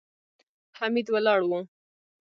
حميد ولاړ و.